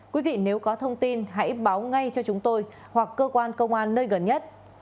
quý vị nếu có thông tin hãy báo ngay cho chúng tôi hoặc cơ quan công an nơi gần nhất